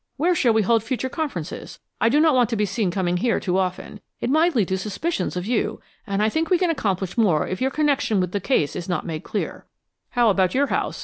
"Where shall we hold future conferences! I do not want to be seen coming here too often. It might lead to suspicions of you, and I think we can accomplish more if your connection with the case is not made clear." "How about your house?"